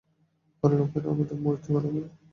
আর লোকেরা আমাদের মূর্তি বানাবে।